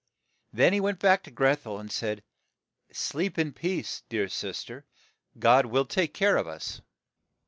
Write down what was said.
Then he went back to Greth el, and said, "Sleep in peace, dear sister, God will take care of us."